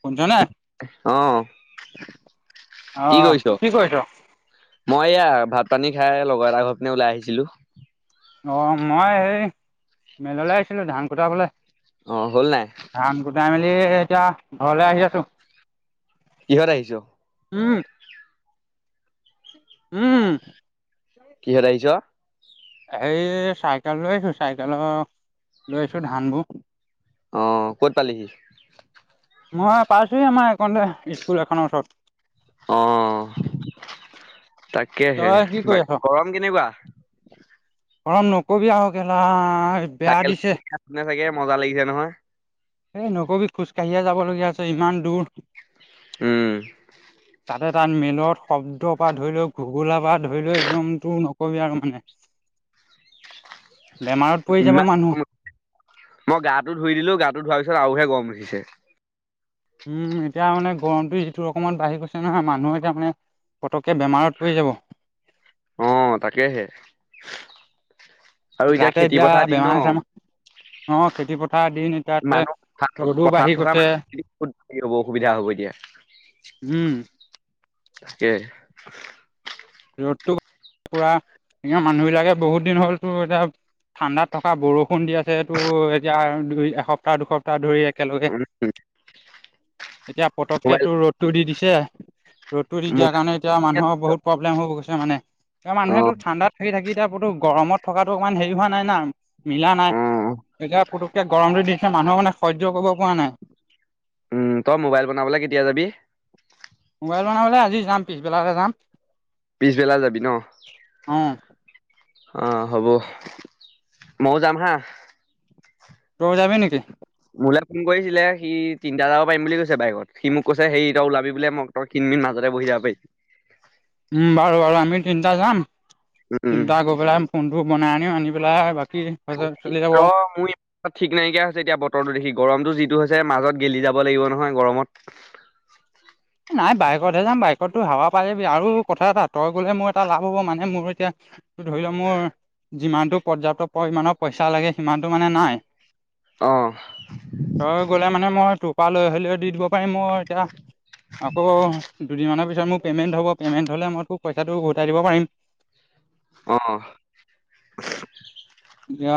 শুনিছ নাই অ কি কৰিছ মই এয়া ভাত পানী খাই লগৰ এটা ঘৰ পিনে ওলাই আহিছিলো অ মই এই মেললে আহিছিলো ধান কুটাবলে অ হ'ল নাই ধান কুটাই মেলি এতিয়া ঘৰলে আহি আছো কিহত আহিছ উম উম কিহত আহিছ এই চাইকেল লৈ আহিছো চাইকেলৰ লৈ আহিছো ধানবোৰ অ ক'ত পালিহি মই পাইছোহি আমাৰ এইকনতে স্কুল এখনৰ ওচৰত অ তাকেহে তই কি কেনেকুৱা কৰি বা আছ? গৰম কেনেকুৱা অ নকবি আও গেলা চাইকেল চলাই চাগে মজা লাগিছে নহয় এ নকবি খোজ কাঢ়িয়ে যাবলগীয়া হৈছে ইমান দূৰ উম তাতে তাত মেলত শব্দৰ পৰা ধৰি লৈ ঘুগোলাৰ পৰা ধৰি লৈ একদম তোৰ নকবি আৰু মানে [unintelligible] বেমাৰত পৰি যাব ইমান মানুহ মই গাটো ধুই দিলো গাটো ধুৱাৰ পিছত আৰুহে গৰম উঠিছে উম এতিয়া মানে গৰমটো যিটো ৰকমত বাঢ়ি গৈছে নহয় মানুহ এতিয়া মানে পটককে বেমাৰত পৰি যাব অ তাকেহে আৰু এতিয়া তাতে খেতি পথাৰ দিন ন বেমাৰ চেমাৰ অ', খেতি পথাৰ দিন এতিয়া তাতে মানুহ পথাৰ থকা ৰ'দো বাঢ়ি পথাৰত থকা গৈছে মানুহখিনি এই বৰ অসুবিধা হ'ব এতিয়া উম তাকে ৰ'দটো পুৰা এনেও মানুহ বিলাকে বহুত দিন হ'ল তোৰ এতিয়া ঠাণ্ডাত থকা বৰষুণ দি আছে এইটো এতিয়া দুই এসপ্তাহ দুসপ্তাহ ধৰি একেলগে এতিয়া পতককে মোবাইল তোৰ ৰ'দটো দি দিছে ৰ'দটো দি দিয়াৰ মোবাইল কাৰণে এতিয়া মানুহৰ বহুত প্ৰব্লেম হৈ গৈছে মানে। এ অ মানুহেটো ঠাণ্ডাত থাকি থাকি এতিয়াতো গৰমত থকাটো অকমান হেৰি হোৱা নাই না। মিলা নাই। অ এতিয়া পুতুকে গৰমটো দিছে মানুহৰ সহয় কৰিব নাই। উম তই মোবাইল বনাবলৈ কেতিয়া যাবি? মোবাইল বনাবলৈ আজি যাম পিছবেলাকে যাম। পিছবেলা যাবি ন? অ। অ হ'ব ময়ও যাম হা। তই যাবি নেকি? মোলে ফোন কৰিছিলে সি তিনিটা যাব পাৰিম বুলি কৈছে বাইকত, সি মোক কৈছে সেই এতিয়া ওলাবি বোলে মোক তই খিন-মিন মাজতে বহি যাব পাৰিবি। উম বাৰু বাৰু আমি তিনটা যাম উম উম। তিনটা হৈ পেলাই ফোনটো বনাই আনিব আনি পেলাই বাকী চলি যাব ৰ মই ঠিক নাইকিয়া হৈছে বতৰটো দেখি, গৰমতটো যিটো হৈছে মাজত গেলি যাব লাগিব নহয় গৰমত। নাই বাইকতহে যাম বাইকতটো হাৱা পাই যাবি আৰু কথা এটা তই গ'লে মোৰ এটা লাভ হ'ব মানে মোৰ এতিয়া ধৰি লও মোৰ যিমানতটো পৰ্যাপ্ত পৰিমামানৰ পইচা লাগে সিমানতটো মানে নাই। অ তই গ'লে মানে মই তোৰ পৰা লৈ হ'লেও দি দিব পাৰিম মই এতিয়া আকৌ দুদিনমানৰ পিছত মোৰ পে'মেণ্ট হ'ব, পেমেন্ত হ'লে মই তোক পইচাটো উভটাই দিব পাৰিম। অ দিয়া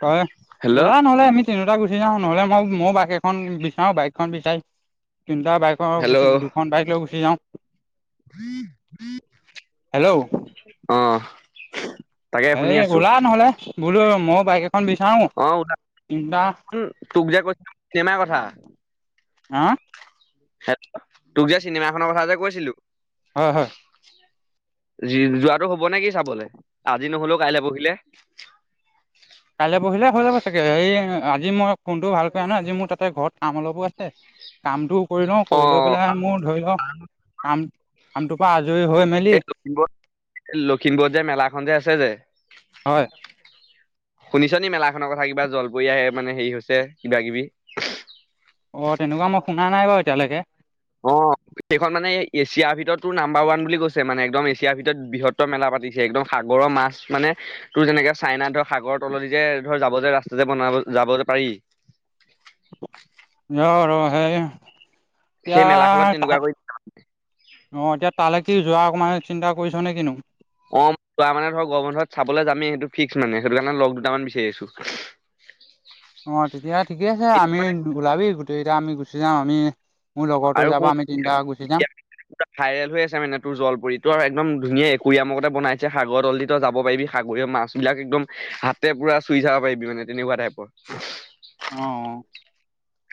তই হেল্ল' ওলা নহ'লে আমি তিনিটা গুচি যাওঁ নহ'লে মই মইও বাইক এখন বিচাৰো বাইকখন বিচাৰি তিনিটা বাইকৰ হেল্ল' খন বাইক লৈ গুচি যাওঁ। হেল্ল' অ। তাকে শুনি এই আছো ওলা নহ'লে বোলো মই বাইক এখন বিচাৰো। অ তিনিটা তোক যে কৈছে চিনেমাৰ কথা। হা? হেল্ল তোক যে চিনেমাখনৰ কথা যে কৈছিলো। হয় হয়। যি যোৱাটো হ'ব নেকি চাবলে, আজি নহ'লেও কাইলৈ পৰহিলে। কাইলৈ পৰহিলৈ হৈ যাব চাগে, এই আজি মই ফোনটো ভাল কৰি আনো আজি মোৰ তাতে ঘৰত কাম অলপো আছে। কামটো কৰি লও অ কৰি লৈ পেলাই মোৰ ধৰিল কাম কামটোৰ পৰা আজৰি হৈ মেলি এই লখিমপুৰত লখিমপুৰত যে মেলাখনযে আছে যে হয়। শুনিছা নি মেলা খনৰ কথা কিবা জলপৰীয়াই মানে হেৰি হৈছে কিবা কিবি? অ তেনেকুৱা মই শুনা নাই বাৰু এতিয়ালৈকে। অ সেইখন মানে এছিয়াৰ ভিতৰতো নাম্বাৰ ওৱান বুলি কৈছে মানে একদম এছিয়াৰ ভিতৰত বৃহত্তৰ মেলা পাতি [unintelligible] একদম সাগৰৰ মাছ মানে তোৰ যেনেকে চাইনাত ধৰ সাগৰৰ তলদি যে ধৰ যাব যে ৰাস্তা যে বনাব যাবযে পাৰি। সেই মেলাখনত তেনেকুৱা কৰি [unintelligible] অ এতিয়া তালৈকে যোৱা অকমান চিন্তা কৰিছ নে কিনো? অ তাৰ মানে ধৰ গৰম বন্ধত চাবলৈ যামেই সেইটো ফিক্স মানে, সেইটো কাৰণে লগ দুটামান বিচাৰি আছো। অ তেতিয়া ঠিকে আছে এতিয়া আমি মানে ওলাবি গোটইকিটা আমি গুচি যাম, আমি মোৰ লগৰতো আৰু যাব শুন আমি তিনটা গুচি যাম। ভাইৰেল হৈ আছে মানে তোৰ জলপৰীটো আৰু একদম ধুনীয়া একুৰিয়াম একো একোটা বনাইছে সাগৰ তলদি তই যাব পাৰিবি সাগৰীয় মাছ বিলাক একদম হাতেৰে পুৰা চুই চাব পাৰিবি মানে তেনেকুৱা টাইপৰ। অঁ অঁ।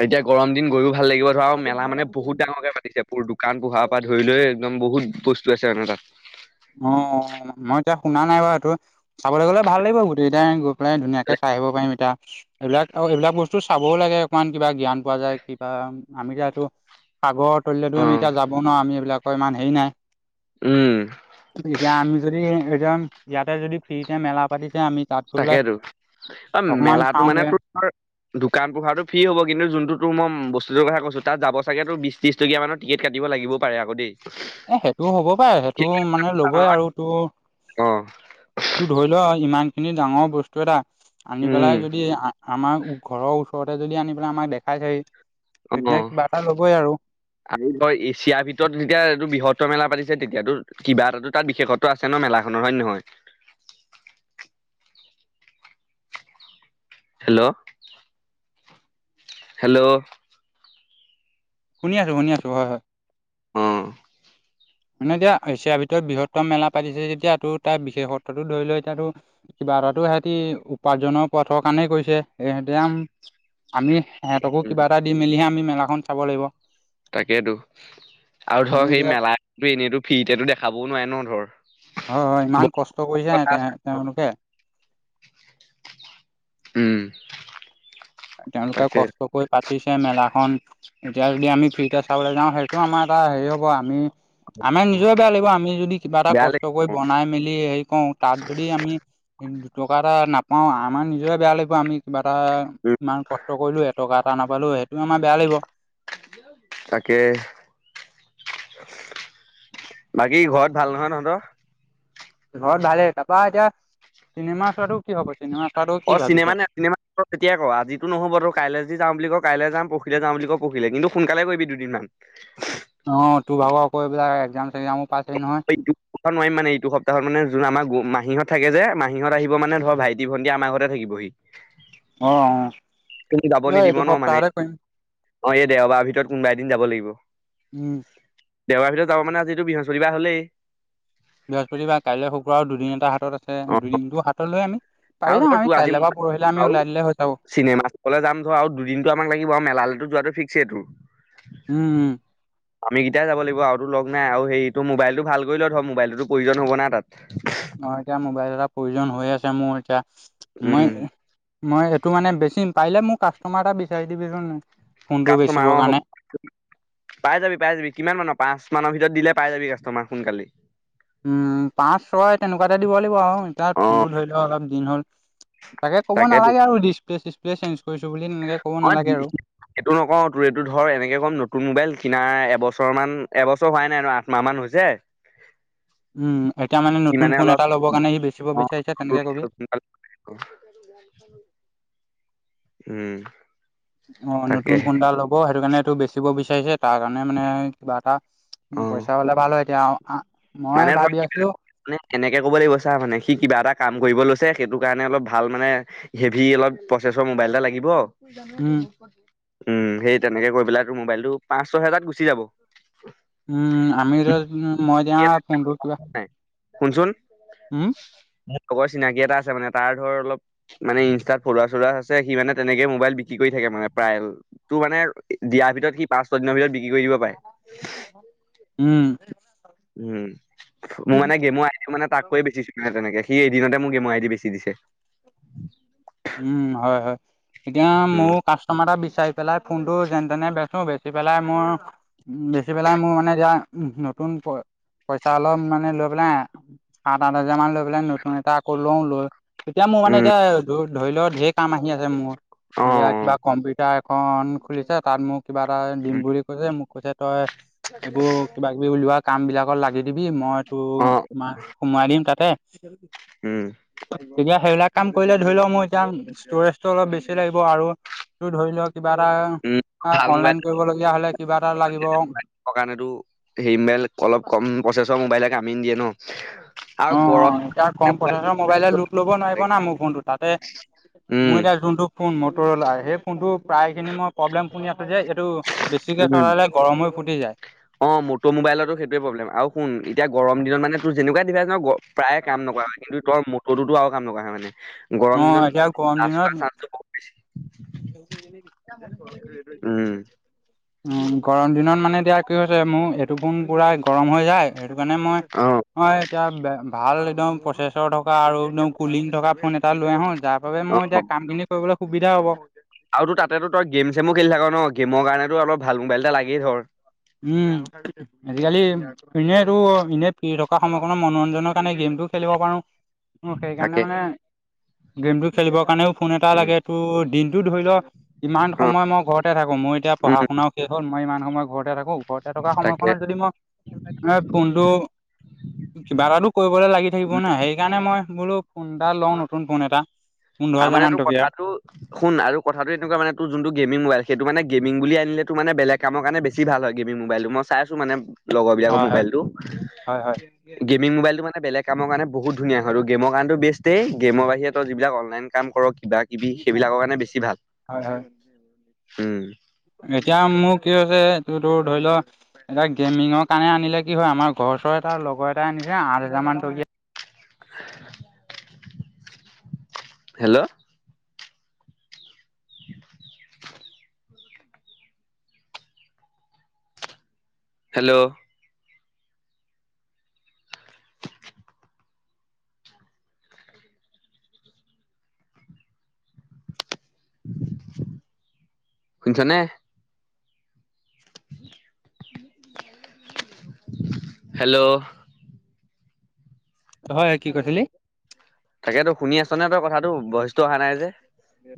এতিয়া গৰম দিন গৈয়ো ভাল লাগিব ধৰা, আৰু মেলা মানে বহুত ডাঙৰকে পাতিছে। পোৰ দোকান পোহাৰ পৰা ধৰি লৈ একদম বহুত বস্তু আছে তাৰমানে তাত। অঁ, মই এতিয়া শুনা নাই বাৰু এইটো। চাবলৈ গ'লে ভাল লাগিব গোটেইকিতাই গৈ পেলাই ধুনীয়াকে চাই আহিব পাৰিম এতিয়া। এইবিলাক আৰু এইবিলাক বস্তু চাবও লাগে অকমান কিবা জ্ঞান পোৱা যায় কিবা আমি যিহেতু সাগৰৰ অ তলিলৈতো আমি এতিয়া যাব নোৱাৰো, আমি এইবিলাকৰ ইমান হেৰি নাই। উম। এতিয়া আমি যদি একদম ইয়াতে যদি ফ্ৰীতে মেলা পাতিছে আমি, তাত গৈ পেলাই তাকেইতো, অ অকমান মেলাটো চাওঁগে মানে তোৰ তোমাৰ দোকান পোহাৰটো ফ্ৰী হব, কিন্তু যোনটো তোৰ ম বস্তুটোৰ কথা কৈছো তাত যাব চাগে তোৰ বিশ ত্ৰিছ টকীয়া মানৰ টিকেট কাটিব লাগিবও পাৰে আকৌ দে। এ সেইটোও হ'ব পাৰে সেইটো মানে ল'বই আৰু, তোৰ অঁ। তোৰ‌ ধৰি ল ইমান খিনি ডাঙৰ বস্তু এটা আনি পেলাই উম যদি আ আমাৰ ঘৰৰ ও চৰতে যদি আনি পেলাই আমাক দেখাইছেহি, তেতিয়া অ কিবা এটা ল'বই আৰু। আৰু ধৰ এছিয়াৰ ভিতৰত যেতিয়া এইটো বৃহত্তৰ মেলা পাতিছে তেতিয়াতো কিবা এটা তো তাত বিশেষত্ব আছে ন মেলাখনৰ হয় নে নহয়। হেল্ল। হেল্ল। শুনি আছো শুনি আছো হয় হয়। অঁ। মানে এতিয়া এছিয়াৰ ভিতৰত বৃহত্তম মেলা পাতিছে যেতিয়াা তোৰ তাত বিশেষত্বটো ধৰি লৈ এতিয়াাতো কিবা এটাটো সিহঁতি উপাৰ্জনৰ পথৰ কাৰণে কৰিছে এহঁতি আমি সেহঁতকো কিবা এটা দি মেলিহে আমি মেলাখন চাব লাগিব। তাকেতো, আৰু আমি ধৰ সেই এতিয়া মেলাটো এনেইতো ফ্ৰীতেতো দেখাবও নোৱাৰে ন ধৰ। হয় হয় ইমান বহুত কষ্ট কৰিছে কথা সেহতে আছে তেওঁলোকে। উম। তেওঁলোকে তাকে কষ্ট কৰি পাতিছে মেলাখন, এতিয়া যদি আমি ফ্ৰীতে চাবলৈ যাওঁ, সেইটো আমাৰ এটা হেৰি হ'ব আমি আমাৰ নিজৰে বেয়া লাগিব, আমি যদি কিবা এটা বেয়া কষ্ট কৰি বনাই মেলি হেৰি কৰোঁ, তাত যদি আমি দুটকা এটা নাপাওঁ, আমাৰ নিজৰে বেয়া লাগিব আমি কিবা এটা লাগিল উম ইমান কষ্ট কৰিলোঁ, এটকা এটা নাপালোঁ। সেইটোও আমাৰ বেয়া লাগিব। তাকে। বাকী ঘৰত ভাল নহয় তহঁতৰ? ঘৰত ভালেই। তাৰপৰা এতিয়া চিনেমা চোৱাটো কি হ'ব? চিনিমা চোৱাটো কি অঁ' ভাবিছ চিনেমা নে ন চিনে মা ক এতিয়াই ক, আজিতো নহ'ব, তই কাইলে যদি যাওঁ বুলি ক' কাইলে যাম, পৰখিলে যাওঁ বুলি ক' পৰখিলে, কিন্তু সোনকালে কৰিবি দুদিনমান। [inaudible] অঁ, তোৰ ভাগৰ আকৌ এইবিলাক এক্সাম চেক্সামো পাইছেহি নহয়। এইটো সপ্তাহত নোৱাৰিম মানে, এইটো সপ্তাহত মানে যোন আমাৰ মাহীহঁত থাকে যে আহিব মানে, ধৰ ভাই টি ভণ্টি থাকিবহি। অঁ অঁ, এই এইটো সপ্তাহতে কৰিম। অঁ, এই দেওবাৰৰ ভিতৰত কোনোবা এদিন যাব লাগিব। উম। দেওবাৰ ভিতৰত যাব মানে, আজিটো বৃহস্পতিবাৰ হ'লেই। বৃহস্পতিবাৰ, কাইলৈ শুক্ৰ আৰু দুদিন এটা হাতত আছে। অ দুদিনটো হাতত লৈ আমি আৰু পাৰি যাম আমি। কাইলৈ বা পৰহিলে আমি ওলাই দিলে হৈ যাব। চিনেমাত চাবলে যাম ধৰ আউ দুদিনটো আমাক লাগিব আউ মেলালেটো যোৱাতটো ফিক্সেই তোৰ। উ উ আমি কেইটায়ে যাব লাগিব আউতো ল'গ নাই আউ হেই তোৰ মোবাইলটো ভাল কৰি ল', ধৰ মোবাইলটোতো প্ৰয়োজন হ'ব না তাত। [inaudible] অ', এতিয়া মোবাইল এটা প্ৰয়োজন হৈ আছে মোৰ এতিয়া। উম মই মই এইটো মানে বেছিম। পাৰিলে মোক কাষ্টমাৰ এটা বিচাৰি দিবিচোন মোক। কাষ্টমাৰ, অ' হ'ব। পাই যাবি, পাই যাবি। কিমান মানৰ? পাঁচ মানৰ ভিতৰত দিলে পাই যাবি কাষ্টমাৰ সোনকালেই। উম, পাঁচ-ছয় তেনেকুৱাতে দিব লাগিব আউ এতিয়া অ ফোনটো ধৰি ল' অলপ দিন হ'ল। তাকে ক'ব তাকেতো নালাগে আৰু ডিচপ্লে চিচপ্লে চেন্জ অ দি। এইটো নকওঁ, তোৰ এইটো ধৰ এনেকে কম নতুন মোবাইল কিনা এবছৰ মান এবছৰ হোৱাই নাই আৰু আঠ মাহ মান হৈছে। উম, এতিয়া মানে সি নতুন ফোন অলপ এটা ল'বৰ কাৰণে সি বেচিব বিচাৰিছে, তেনেকে ক'বি। উহ। [inaudible] উম। অ', নতুন তাকেহে ফোন এটা ল'ব। সেইটো কাৰণে এইটো বেচিব বিচাৰিছে। তাৰ কাৰণে মানে কিবা এটা অ পইচা হ'লে ভাল হয়। এতিয়া অ আ মই মানে ধৰ ভাবি আছিলোঁ, মানে কেনেকে ক'ব লাগিব চা মানে, সি কিবা এটা কাম কৰিব লৈছে সেইটো কাৰণে অলপ ভাল মানে হেভি অলপ প্ৰচেছৰ মোবাইল এটা লাগিব। উম, উম, সেই তেনেকে কৈ পেলাই তোৰ মোবাইলটো, পাঁচ ছয় হেজাত গুচি যাব। উম, আমি এতিয়া [unintelligible] ফোনটোত কিবা। নাই শুনচোন, উম, মোক কবাৰ চিনাকি এটা আছে মানে তাৰ ধৰ অলপ মানে ইনষ্টাত ফলোৱাৰ চলোৱাৰ হৈছে, সি মানে তেনেকেই মোবাইল বিক্ৰী কৰি থাকে মানে প্ৰায়। তোৰ মানে, দিয়াৰ ভিতৰত সি পাঁচ-ছয়দিনৰ ভিতৰত বিক্ৰী কৰি দিব পাই। উম। উম, মোৰ মানে গেমো আহিল মানে, তাক কৈ বেছি। নে তেনেকে। সি এদিনতে মোৰ গেমৰ আইদি বেছি দিছে। উম, হয়-হয়। এতিয়া উম মোৰ কাষ্ট টমা এটা বিচাৰি পেলাই, ফোনটো যেন তেনে বেচো। বেচি পেলাই মোৰ উ, বেচি পেলাই মোৰ মানে এতিয়া, ন নতুন প পইচা অলপ মানে লৈ পেলাই সাত-আঠ হাজাৰ মান লৈ পেলাই, নতুন এটা আকৌ লওঁ। লৈ এতিয়া মোৰ মানে উম, এতিয়া ধ ধৰি ল, ঢেৰ কাম আহি আছে মোৰ। অ', এইবাৰ কিবা অ', কম্পিউটাৰ খন খুলিছে। তাত মোক কিবা এটা দিম বুলি কৈছে, মোক কৈছে তই এইবোৰ কিবা কিবি উলিওৱা কামবিলাকত লাগি দিবি মই তো অ', মাক সোমোৱাই দিম তাতে, উম, তেতিয়া সেইবিলাক কাম কৰিলে ধৰি ল, মোৰ এতিয়া ষ্টৰেজটো অলপ বেছি লাগিব আৰু তোৰ ধৰি ল, কিবা এটা উম, আ ভাল অনলাইন মোবাইল কৰিবলগীয়া হ'লে কিবা এটা লাগিব। সকাণে তো, হিমবেল, অলপ কম প্ৰচেছৰ মোবাইলে কামে নিদিয়ে ন? আৰু অঁ, গৰম অঁ, এতিয়া মানে কম মোবাইলটো প্ৰচেছৰ মোবাইলে যোগাযোগ লোট ল'ব কৰিব নোৱাৰিব লাগে। না মোৰ ফোনটো। তাতে মোৰ উম, এতিয়া যোনটো ফোন মট'ৰলা সেই ফোনটো প্ৰায় খিনি মই প্ৰব্লেম শুনি আছোঁ যে সেইটো বেছিকে চলালে গৰম হৈ ফুটি যায়। অঁ মট'-মোবাইলতো সেইটোৱে প্ৰব্লেম আৰু শুন এতিয়া গৰম দিনত মানে তোৰ যেনেকুৱা ডিভাইচ ন গ প্ৰায়ে কাম নকৰা হয়, কিন্তু তোৰ মট'টোতো আৰু কাম নকৰা হয় মানে। গৰম অ' এতিয়া দিনত গৰম দিনত [unintelligible] উম, [unintelligible] উম গৰম দিনত মানে এতিয়া কি হৈছে, মোৰ এইটো ফোন পুৰা গৰম হয় যায়। সেইটো কাৰণে মই অ', মই এতিয়া বে ভাল একদম প্ৰচেছৰ থকা আৰু একদম কুলিং থকা ফোন এটা লৈ আহোঁ। যাৰ বাবে মোৰ এতিয়া কামখিনি কৰিবলৈ সুবিধা হ'ব। আৰুতো তাতেতো তই গেম-চেমো খেলি থাক ন? গেমৰ কাৰণেতো অলপ ভাল মোবাইল এটা লাগেই ধৰ'! উম'। আজিকালি ইনেইতো ইনে ফ্ৰী থকা সময়কণত মনোৰঞ্জনৰ কাৰণে গেমটো খেলিব পাৰোঁ। মোৰ তাকে সেইকাৰণে মানে গেমটো খেলিবৰ কাৰণেও ফোন এটা উম, লাগে। তোৰ দিনটো ধৰি ল' ইমান অ', সময় মই ঘৰতে থাকোঁ। মোৰ এতিয়া উম, পঢ়া-শুনাও শেষ হ'ল, মই ইমান সময় ঘৰতে থাকোঁ ঘৰতে থকা সময়কনত তাকে যদি মই ফোনটো কিবা এটাটো কৰিবলে লাগি থাকিব ন, সেইকাৰণে মই বোলো ফোন এটা লওঁ নতুন ফোন এটা। পোন্ধৰ হাজাৰ তাৰমানে মান তোৰ টকীয়া হয় কথাটো শুন! আৰু কথাটো এনেকোৱা মানে তোৰ যোনটো গেমিং মোবাইল সেইটো মানে গেমিং বুলি আনিলে তোৰ মানে বেলেগ কামৰ কাৰণে বেছি ভাল হয়। গেমিং মোবাইলটো মই চাইছো মানে লগৰ বিলাকৰ হয় মোবাইলটো, হয় হয় গেমিং মোবাইলটো মানে বেলেগ। কামৰ কাৰণে বহুত ধুনীয়া হয়, আৰু গেমৰ কাৰণেটো বেষ্টেই। গেমৰ বাহিৰে তই যিবিলাক অনলাইন কাম কৰ কিবা-কিবি সেইবিলাকৰ কাৰণে বেছি ভাল। হয় হয়। উম। এতিয়া মোৰ কি হৈছে, তোৰ তো ধৰি ল এতিয়া গেমিঙৰ কাৰণে আনিলে কি হয়, আমাৰ ঘৰ ওচৰ এটা লগৰ এটাই আনিছে আঠ-হাজাৰ মান টকীয়া। হেল্ল'! [inaudible] হেল্ল'! শুনিছানে? হেল্ল'! হয়! কি কৈছিলি? তাকেতো শুনি আছনে তই কথাটো? ভয়চটো অহা নাই যে।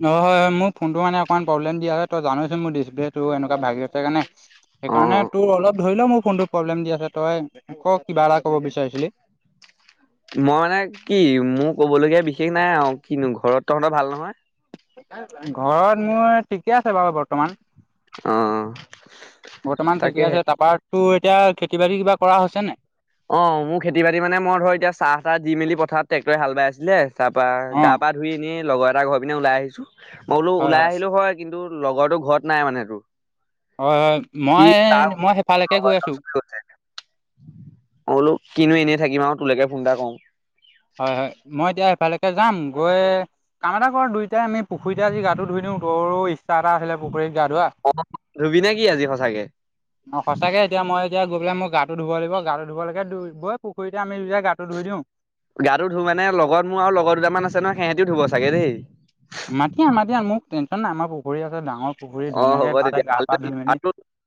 হয় হয় হয় মোৰ ফোনটো মানে অকমান প্ৰব্লেম দিয়া হয় তই জানই চোন মোৰ ডিছপ্লেটো এনেকুৱা ভাগিছে কাৰণে অ সেইকাৰণে তোৰ অলপ ধৰি লও মোৰ ফোনটো প্ৰব্লেম দি আছে, তই ক' কিবা এটা কব বিচাৰিছিলি। মই মানে কি মোৰ কবলগীয়া বিশেষ নাই আও। কিনো ঘৰত তহঁত ভাল নহয়? ঘৰত মোৰ ঠিকে আছে বাৰু বৰ্তমান। অ বৰ্তমান ঠিকে তাকেহে আছে। তাৰপৰা তোৰ এতিয়া খেতি-বাতি কিবা কৰা হৈছে নে? অ' মোৰ খেতি-বাতি মানে মই ধৰ এতিয়া চাহ-তাহ দি মেলি পথাৰত ট্ৰেক্টৰে হাল বাই আছিলে। তাৰপৰা অ গা-পা ধুই এনে লগৰ এটা ঘৰ পিনে ওলাই আহিছোঁ। মই বোলো ওলাই আহিলোঁ হয় কিন্তু লগৰটো ঘৰত নাই মানে তোৰ। হয় হয়, মই সি তাৰ মই সেইফালেকে লগৰ গৈ এটাৰ আছোঁ। ওচৰলৈ গৈছে মই বোলো কিনো এনেই থাকিম আৰু তোলৈকে ফোন এটা কৰোঁ। হয়, হয় মই এতিয়া এফালেকে যাম গৈ কাম এটা কৰ দুই [unintelligible] পুখুৰীতে আজি গাটো ধুই দিওঁ [unintelligible] ইচ্ছা আছিলে পুখুৰীত গা ধুৱা। অ ধুবি নে কি আজি সঁচাকে। সঁচাকে এতিয়া মই এতিয়া গৈ পেলাই মই গাটো ধুব লাগিব। গাটো ধুবলৈকে [unintelligible] পুখুৰীতে আমি দুটাই গাটো ধুই দিওঁ। গাটো ধুওঁ মানে লগত মোৰ আউ লগৰ দুটামান আছে ন সিহঁতিও ধুব চাগৈ দেই। মাতি আন মাতি আন মোক টেনশ্যন নাই আমাৰ পুখুৰী আছে ডাঙৰ পুখুৰী অ হ'ব ধুনীয়াকে তাতে তেতিয়া গা- পা ধুই আৰু মেলি